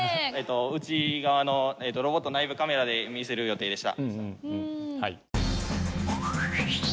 内側のロボット内部カメラで見せる予定でした。